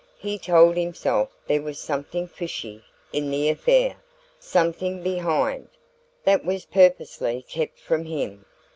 He told himself there was something "fishy" in the affair something behind, that was purposely kept from him.